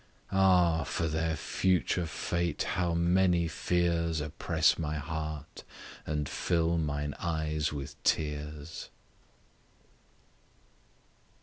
Ah! for their future fate how many fears Oppress my heart and fill mine eyes with tears!